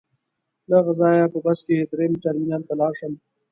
له هغه ځایه په بس کې درېیم ټرمینل ته لاړ شم.